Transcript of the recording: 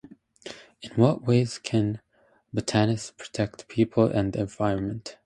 In what way can botanists protect people and the environment?